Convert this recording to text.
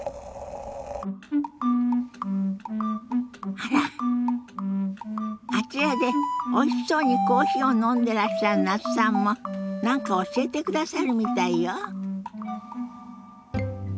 あらあちらでおいしそうにコーヒーを飲んでらっしゃる那須さんも何か教えてくださるみたいよ。